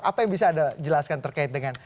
apa yang bisa anda jelaskan terkait dengan